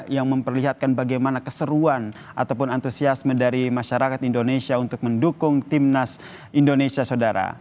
yang memperlihatkan bagaimana keseruan ataupun antusiasme dari masyarakat indonesia untuk mendukung timnas indonesia saudara